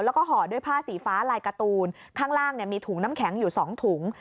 แล้วก็ห่อด้วยผ้าสีฟ้าลายการ์ตูนข้างล่างมีถุงน้ำแข็งอยู่๒ถุง